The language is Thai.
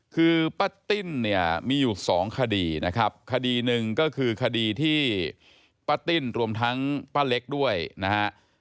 คือป้าติ้นเนี่ยมีอยู่สองคดีนะครับคดีหนึ่งก็คือคดีที่ป้าติ้นรวมทั้งป้าเล็กด้วยนะฮะ